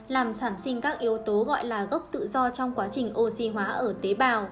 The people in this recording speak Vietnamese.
làm sản sinh các yếu tố gọi là gốc tự do trong quá trình oxy hóa ở tế bào